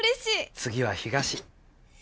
次は東。